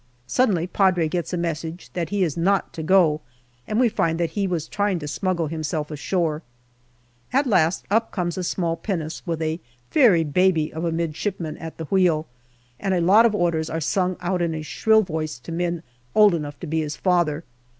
Suddenly Padre gets a message that he is not to go, and we find that he was trying to smuggle himself ashore. At last up comes a small pinnace with a very baby of a midshipman at the wheel, and a lot of orders are sung out in a shrill voice to men old enough to be his father.